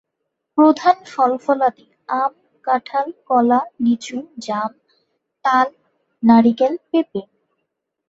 প্রধান ফল-ফলাদি আম, কাঁঠাল, কলা, লিচু, জাম, তাল, নারিকেল, পেঁপে।